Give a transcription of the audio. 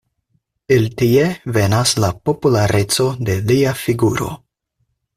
El tie venas la populareco de lia figuro.